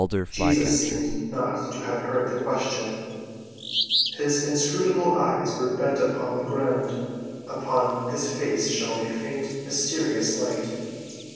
Jesus seemed not to have heard the question. His inscrutable eyes were bent upon the ground; upon his face shone a faint, mysterious light.